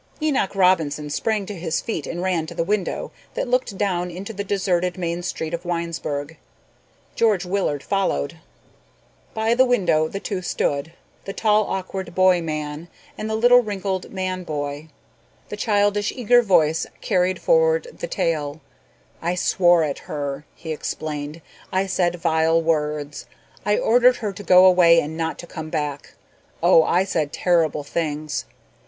Enoch Robinson sprang to his feet and ran to the window that looked down into the deserted main street of Winesburg. George Willard followed. By the window the two stood, the tall awkward boy man and the little wrinkled man boy. The childish, eager voice carried forward the tale. "I swore at her," he explained. "I said vile words. I ordered her to go away and not to come back. Oh, I said terrible things.